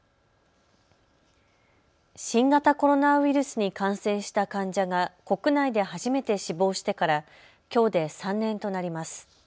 新型コロナウイルスに感染した患者が国内で初めて死亡してからきょうで３年となります。